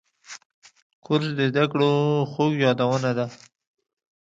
کورس د زده کړو خوږ یادونه ده.